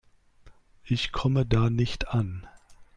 Ich komme da nicht an.